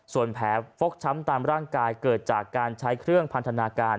ส่วนแผลฟกช้ำตามร่างกายเกิดจากการใช้เครื่องพันธนาการ